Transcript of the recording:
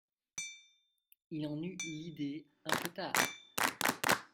Il en eut l'idée, un peu tard.